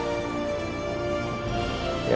hai vernya apa pun itu ya